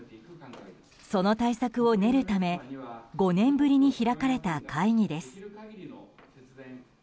その対策を練るため５年ぶりに開かれた会議です。